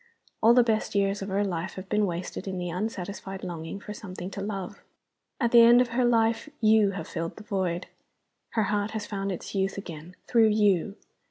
All the best years of her life have been wasted in the unsatisfied longing for something to love. At the end of her life You have filled the void. Her heart has found its youth again, through You.